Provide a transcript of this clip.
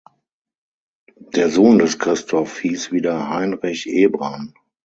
Der Sohn des Christoph hieß wieder Heinrich Ebran.